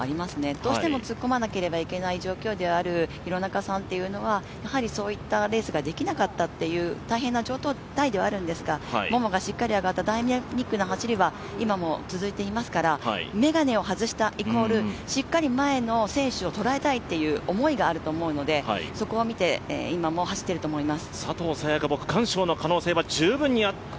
どうしても突っ込まなければいけない状況である廣中さんというのはそういったレースができなかったという大変な状態ではあるんですが、ももがしっかり上がった第２区間の走りは今も続いていますから、眼鏡を外した、イコールしっかり前の選手を捉えたいという思いがあるので、そこを見て今も走っていると思います。